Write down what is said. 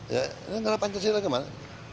ini negara pancasila gimana